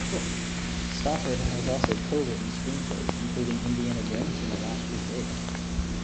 Stoppard has also co-written screenplays including "Indiana Jones and the Last Crusade".